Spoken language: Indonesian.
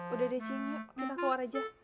udah deh cin yuk kita keluar aja